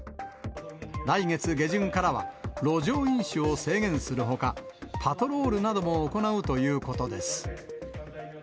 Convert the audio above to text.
来月下旬からは、路上飲酒を制限するほか、パトロールなども行うということです。